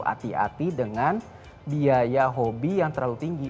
hati hati dengan biaya hobi yang terlalu tinggi